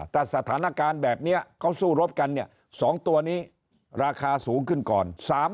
ถ้าสถานการณ์แบบนี้เขาสู้รบกันเนี่ย๒ตัวนี้ราคาสูงขึ้นก่อน